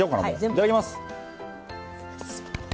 いただきます！